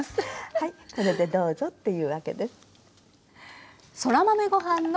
はいこれでどうぞっていうわけです。